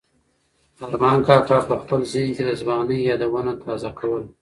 ارمان کاکا په خپل ذهن کې د ځوانۍ یادونه تازه کوله.